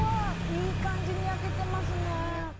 いい感じに焼けてますね。